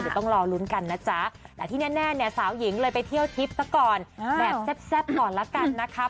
เดี๋ยวต้องรอลุ้นกันนะจ๊ะแต่ที่แน่เนี่ยสาวหญิงเลยไปเที่ยวทิพย์ซะก่อนแบบแซ่บก่อนละกันนะคะ